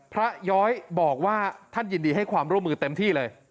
ย้อยบอกว่าท่านยินดีให้ความร่วมมือเต็มที่เลย